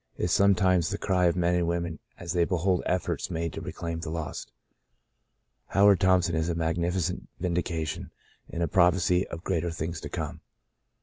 is sometimes the cry of men and women as they behold efforts made to reclaim the lost. Howard Thompson is a magnificent vindication, and a prophecy of greater things to come.